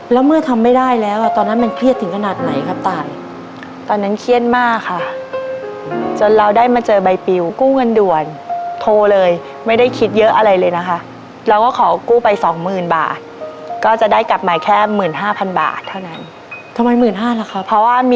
แล้วเมื่อทำไม่ได้แล้ว